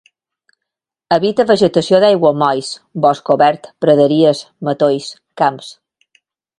Habita vegetació d'aiguamolls, bosc obert, praderies, matolls, camps.